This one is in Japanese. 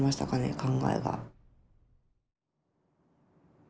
考えが。